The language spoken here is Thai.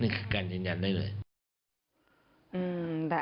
นี่คือการจริงได้เลย